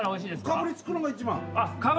かぶりつくのが一番。